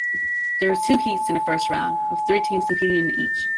There were two heats in the first round, with three teams competing in each.